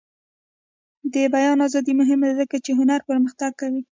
د بیان ازادي مهمه ده ځکه چې هنر پرمختګ کوي.